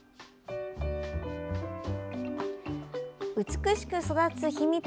美しく育つ秘密